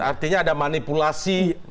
artinya ada manipulasi